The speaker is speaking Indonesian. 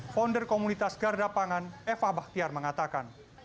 founder komunitas garda pangan eva bahtiar mengatakan